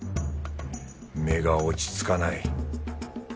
目が落ち着かない